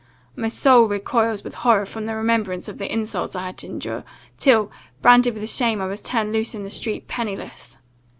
My soul recoils with horror from the remembrance of the insults I had to endure, till, branded with shame, I was turned loose in the street, pennyless.